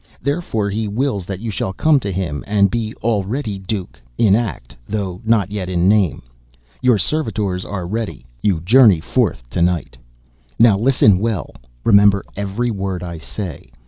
Therefore he wills that you shall come to him and be already Duke in act, though not yet in name. Your servitors are ready you journey forth to night. "Now listen well. Remember every word I say.